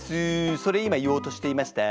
それ今言おうとしていました。